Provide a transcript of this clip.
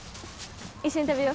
一緒に食べよ。